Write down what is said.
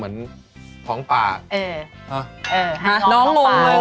มันบางก็ตามสภาพเศรษฐกิจน่ะหนุป